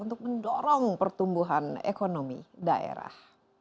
untuk mendorong pertumbuhan ekonomi daerah